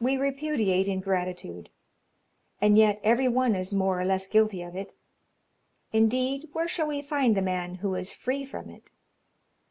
We repudiate ingratitude, and yet every one is more or less guilty of it. Indeed, where shall we find the man who is free from it?